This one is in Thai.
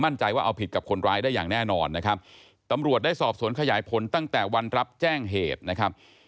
มั่นใจว่าเอาผิดกับคนร้ายได้อย่างแน่นอนนะครับตำรวจได้สอบสวนขยายผลตั้งแต่วันรับแจ้งเหตุนะครับ